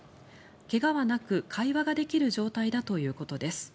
怪我はなく会話ができる状態だということです。